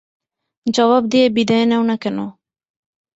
জবাব দিয়ে বিদায় নেও না কেন?